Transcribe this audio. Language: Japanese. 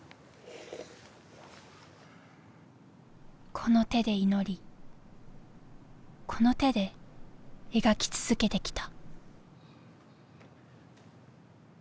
この手で祈りこの手で描き続けてきた。